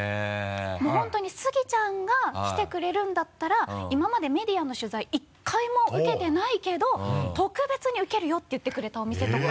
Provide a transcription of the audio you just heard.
もう本当にスギちゃんが来てくれるんだったら今までメディアの取材１回も受けてないけど特別に受けるよって言ってくれたお店とか。